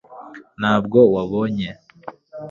ntabwo wabonye